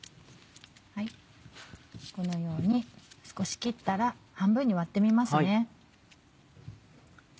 このように少し切ったら半分に割ってみます。